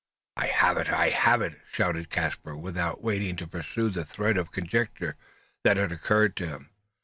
Why "I have it! I have it!" shouted Caspar, without waiting to pursue the thread of conjecture that had occurred to him.